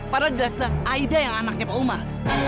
padahal jelas jelas aida yang anaknya pak umar